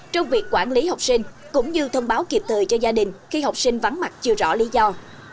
trong việc quản lý học sinh cũng như thông báo kịp thời cho gia đình khi học sinh vắng mặt chưa rõ lý do